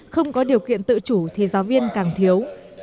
không có điều kiện tự chủ thì giáo viên càng thiếu